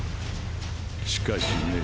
しかしね